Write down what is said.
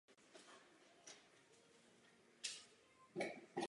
Výhody byly na straně Němců.